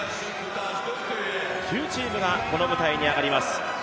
９チームがこの舞台に上がります。